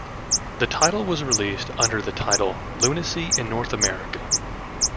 The title was released under the title Lunacy in North America.